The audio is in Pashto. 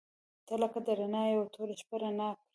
• ته لکه د رڼا یوه توره شپه رڼا کړې.